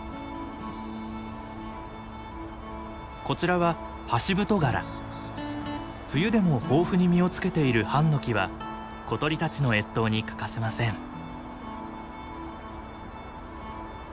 こちらは冬でも豊富に実をつけているハンノキは小鳥たちの越冬に欠かせません。